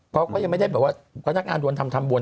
เขาก็ยังไม่ได้แบบว่าพนักงานโดนทำทันบน